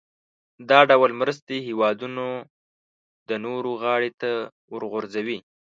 دا ډول مرستې هېوادونه د نورو غاړې ته ورغورځوي.